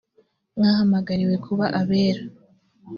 mwahamagariwe kuba abera